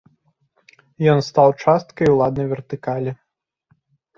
Ён стаў часткай уладнай вертыкалі.